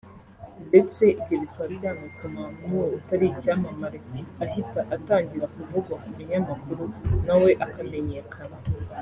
ndetse ibyo bikaba byanatuma n’uwo utari icyamamare ahita atangira kuvugwa mu binyamakuru nawe akamenyekana